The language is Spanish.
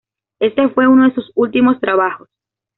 Este fue uno de sus últimos trabajos.